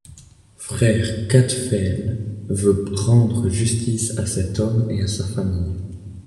Frère Cadfael veut rendre justice à cet homme et à sa famille.